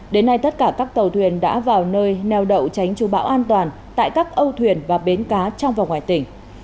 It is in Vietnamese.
đến nay tất cả các tàu thuyền đã vào nơi neo đậu tránh chú bão an toàn tại các âu thuyền và bến cá trong và ngoài tỉnh